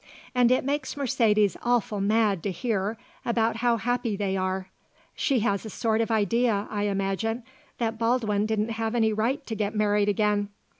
And it makes Mercedes awful mad to hear about how happy they are; she has a sort of idea, I imagine, that Baldwin didn't have any right to get married again.